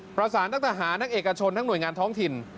ประสานทั้งทหารทั้งเอกชนทั้งหน่วยงานท้องถิ่น